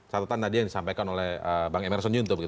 catatan tadi yang disampaikan oleh bang emerson yunto